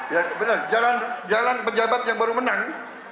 ya benar jalan pejabat yang baru menang